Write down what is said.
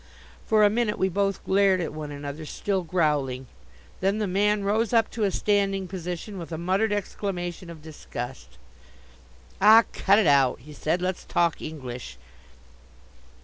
For a minute we both glared at one another, still growling. Then the man rose up to a standing position with a muttered exclamation of disgust. "Ah, cut it out," he said. "Let's talk English."